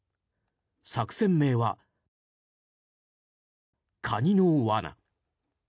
作戦名は、カニの罠。